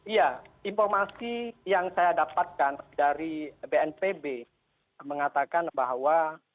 iya informasi yang saya dapatkan dari bnpb mengatakan bahwa